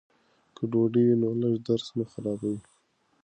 که ډوډۍ وي نو لوږه درس نه خرابوي.